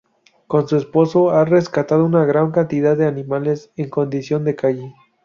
Con su esposo ha rescatado una gran cantidad de animales en condición de calle.